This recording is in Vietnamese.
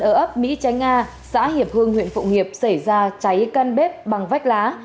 cửa ấp mỹ trái nga xã hiệp hưng huyện phụng hiệp xảy ra cháy căn bếp bằng vách lá